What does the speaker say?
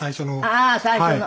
ああ最初の？